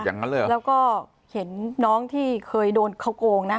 อย่างนั้นเลยเหรอแล้วก็เห็นน้องที่เคยโดนเขาโกงนะ